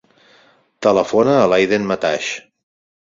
Telefona a l'Aiden Mataix.